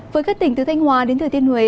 với các tỉnh từ thanh hòa đến thời tiên huế